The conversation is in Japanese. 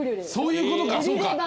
そういうことかそうか。